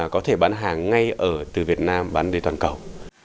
có thể bán hàng ngay ở từ việt nam bán đi toàn cầu